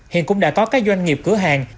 hiện cũng đã có các doanh nghiệp cửa hàng